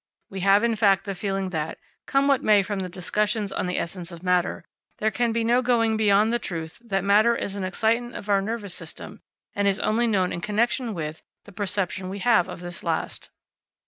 We have, in fact, the feeling that, come what may from the discussions on the essence of matter, there can be no going beyond the truth that matter is an excitant of our nervous system, and is only known in connection with, the perception we have of this last.